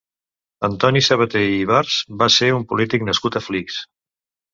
Antoni Sabaté i Ibarz va ser un polític nascut a Flix.